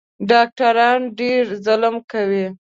ډاکټران ډېر ظلم کوي